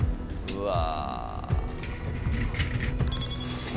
うわ！